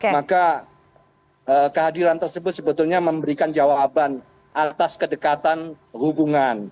maka kehadiran tersebut sebetulnya memberikan jawaban atas kedekatan hubungan